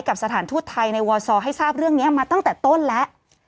สถานทูตไทยในวซอให้ทราบเรื่องนี้มาตั้งแต่ต้นแล้ว